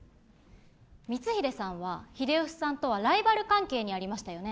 光秀さんは秀吉さんとはライバル関係にありましたよね？